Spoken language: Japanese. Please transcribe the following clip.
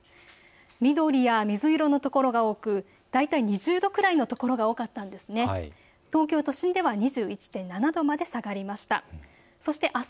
緑や水色の所が多く、大体２０度くらいの所が多かったんです。